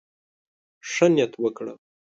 ښه نيت وکړه.